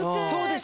そう。